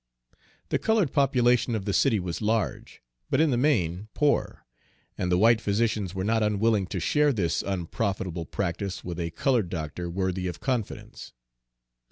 The colored population of the city was large, but in the main poor, and the white physicians were not unwilling to share this unprofitable practice with a colored doctor worthy of confidence.